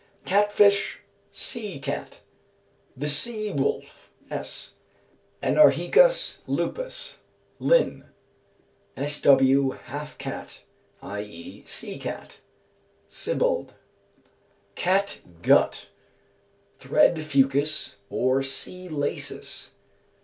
Cat fish, Sea cat. The sea wolf (S.). Anarhicas lupus (LINN.) Sw., haf cat i.e. sea cat. SIBBALD. Cat gut. Thread fucus, or sea laces.